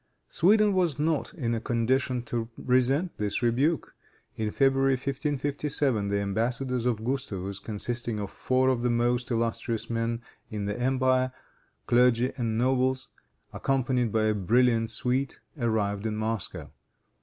Sweden was not in a condition to resent this rebuke. In February, 1557, the embassadors of Gustavus, consisting of four of the most illustrious men in the empire, clergy and nobles, accompanied by a brilliant suite, arrived in Moscow.